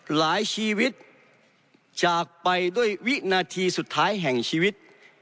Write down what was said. หลายชีวิตจากไปด้วยวินาทีสุดท้ายแห่งชีวิต